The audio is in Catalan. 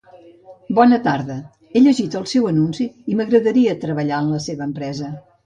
Bona tarda, he llegit el seu anunci i m'agradaria treballar en la seva empresa.